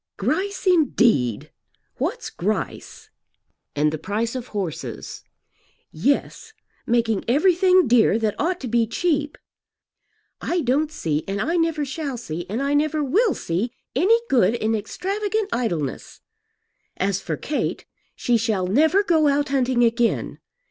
"Grice indeed! What's Grice?" "And the price of horses?" "Yes; making everything dear that ought to be cheap. I don't see and I never shall see and I never will see any good in extravagant idleness. As for Kate she shall never go out hunting again.